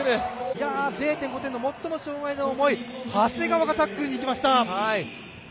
０．５点のもっとも障がいの重い長谷川がタックルに行きました。